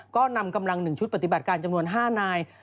ก็นำกำลัง๑ชุดปฏิบัติการจำนวน๕นาย